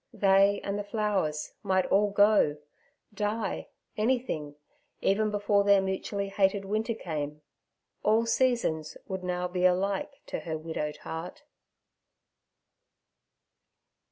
They and the flowers might all go, die, anything, even before their mutually hated winter came; all seasons would now be alike to her widowed heart.